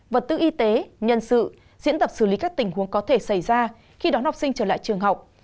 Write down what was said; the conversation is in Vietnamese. vật tư y tế nhân sự diễn tập xử lý các tình huống có thể xảy ra khi đón học sinh trở lại trường học